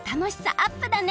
アップだね。